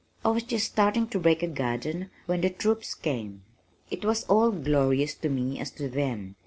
I was just starting to break a garden when the troops came." It was all glorious to me as to them.